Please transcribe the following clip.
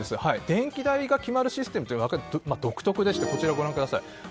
電気代が決まるシステムって独特でしてこちらをご覧ください。